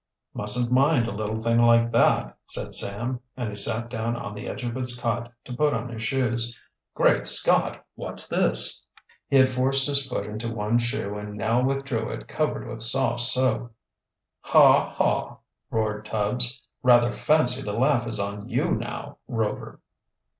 "Mustn't mind a little thing like that," said Sam, and he sat down on the edge of his cot to put on his shoes. "Great Scott, what's this"? He had forced his foot into one shoe and now withdrew it covered with soft soap. "Haw! haw!" roared Tubbs. "Rather fancy the laugh is on you now, Rover."